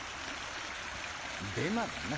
デマだな。